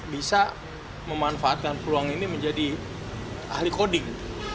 bisa memanfaatkan peluang ini menjadi ahli coding